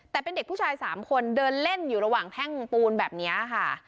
แต่เป็นเด็กผู้ชาย๓คนเดินเล่นอยู่ระหว่างแท่งปูนแบบนี้ค่ะ